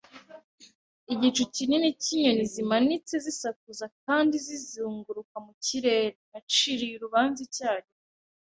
igicu kinini cyinyoni zimanitse zisakuza kandi zizunguruka mu kirere. Naciriye urubanza icyarimwe